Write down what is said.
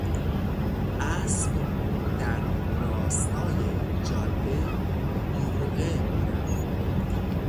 اسب در راستای جاده یورغه رفت.